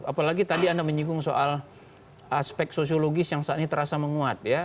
apalagi tadi anda menyinggung soal aspek sosiologis yang saat ini terasa menguat ya